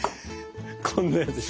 こんなやつね。